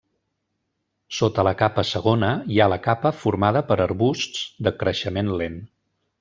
Sota la capa segona hi ha la capa formada per arbusts de creixement lent.